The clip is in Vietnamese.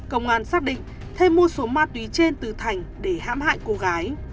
công an xác định thêm mua số ma túy trên từ thành để hãm hại cô gái